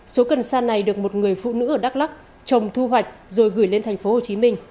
số cần xa này được một người phụ nữ ở đắk lắc trồng thu hoạch rồi gửi lên tp hcm